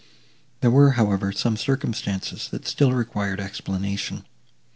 There were, however, some circumstances, that still required explanation.